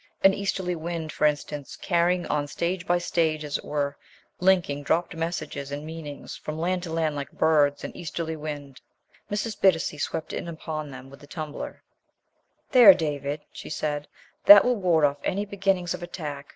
An easterly wind, for instance, carrying on stage by stage as it were linking dropped messages and meanings from land to land like the birds an easterly wind " Mrs. Bittacy swept in upon them with the tumbler "There, David," she said, "that will ward off any beginnings of attack.